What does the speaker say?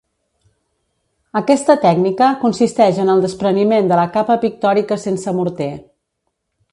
Aquesta tècnica consisteix en el despreniment de la capa pictòrica sense morter.